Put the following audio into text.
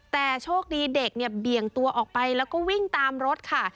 แต่โชคดีเด็กเนี่ยเบี่ยงตัวออกไปแล้วก็วิ่งตามรถค่ะ